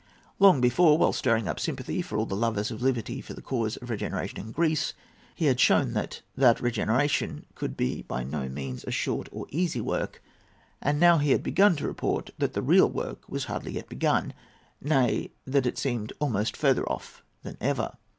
Long before, while stirring up the sympathy of all lovers of liberty for the cause of regeneration in Greece, he had shown that regeneration could be by no means a short or easy work, and now he had to report that the real work was hardly yet begun—nay, that it seemed almost further off than ever.